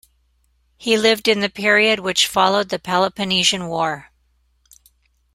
He lived in the period which followed the Peloponnesian War.